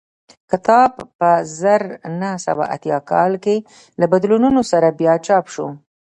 کتاب په زر نه سوه اتیا کال کې له بدلونونو سره بیا چاپ شو